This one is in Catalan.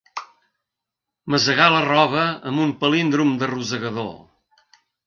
Masegar la roba amb un palíndrom de rosegador.